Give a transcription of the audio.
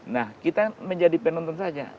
nah kita menjadi penonton saja